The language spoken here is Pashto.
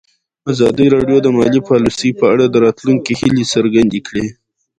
ازادي راډیو د مالي پالیسي په اړه د راتلونکي هیلې څرګندې کړې.